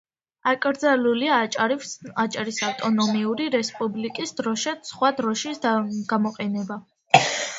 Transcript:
აკრძალულია აჭარის ავტონომიური რესპუბლიკის დროშად სხვა დროშის გამოყენება.